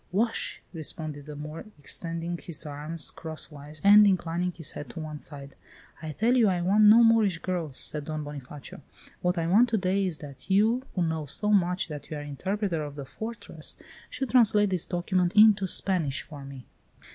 "Wash!" responded the Moor, extending his arms crosswise and inclining his head to one side. "I tell you I want no Moorish girls," said Don Bonifacio. "What I want to day is that you, who know so much that you are Interpreter of the Fortress, should translate this document into Spanish for me."